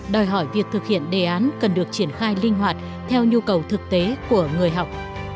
đòi hỏi việc thực hiện đề án cần được triển khai linh hoạt theo nhu cầu thực tế của người học